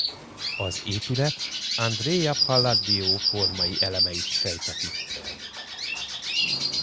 Az épület Andrea Palladio formai elemeit sejteti.